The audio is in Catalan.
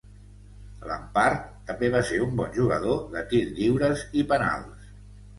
Lampard també va ser un bon jugador de tir lliures i penals.